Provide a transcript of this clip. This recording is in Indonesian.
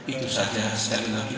itu saja sekali lagi